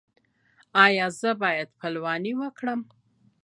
ایا زه باید پلوانی وکړم؟